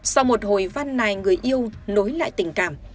sau một hồi văn này người yêu nối lại tình cảm